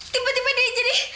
tiba tiba dia jadi